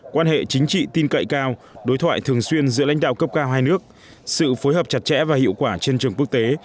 quan hệ chính trị tin cậy cao đối thoại thường xuyên giữa lãnh đạo cấp cao hai nước sự phối hợp chặt chẽ và hiệu quả trên trường quốc tế